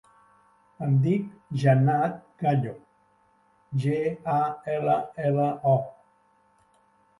Em dic Jannat Gallo: ge, a, ela, ela, o.